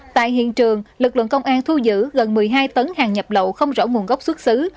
tại hiện trường lực lượng công an thu giữ gần một mươi hai tấn hàng nhập lậu không rõ nguồn gốc xuất xứ